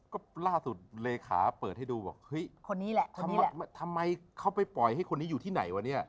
ก็ล่าสุดเลขาเปิดให้ดูบอกเฮ้ยคนนี้แหละคนนี้แหละทำไมเขาไปปล่อยให้คนนี้อยู่ที่ไหนวะเนี่ย